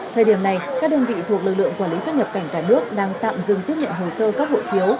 thời điểm này các đơn vị thuộc lực lượng quản lý xuất nhập cảnh cả nước đang tạm dừng tiếp nhận hồ sơ cấp hộ chiếu